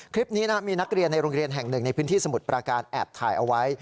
คลิปนี้มีนักเรียนในโรงเรียนแห่งหนึ่งในพื้นที่สมุทรปราการแอบถ่ายเอาไว้